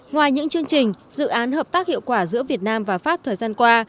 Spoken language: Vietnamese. ngoài những chương trình dự án hợp tác hiệu quả giữa việt nam và pháp thời gian qua